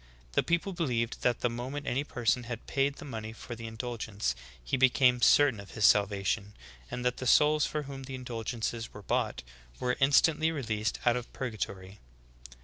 The people believed that the moment any person had paid the money for the in dulgence he became certain of his salvation; and that the souls for whom the indulgences were bought, were instant ly released out of purgatory.